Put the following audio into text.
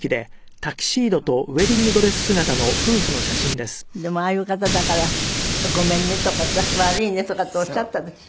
でもああいう方だから「ごめんね」とかさ「悪いね」とかっておっしゃったでしょ？